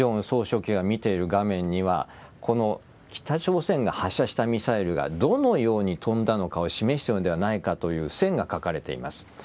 総書記が見ている画面には、この北朝鮮が発射したミサイルがどのように飛んだのかを示しているのではないかという線が書かれています。